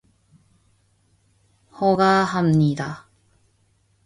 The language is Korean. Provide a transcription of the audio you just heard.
허가합니다.